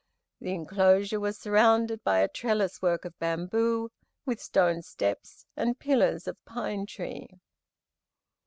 The enclosure was surrounded by "a trellis work of bamboo," with "stone steps," and "pillars of pine tree."